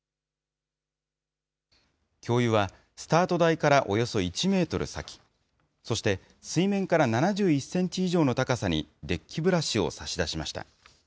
教諭は、スタート台からおよそ１メートル先、そして水面から７１センチ以上の高さにデッキブラシを差し出しました。